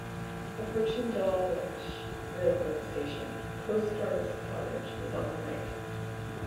Approaching Dawlish railway station, Coastguard's Cottage is on the right.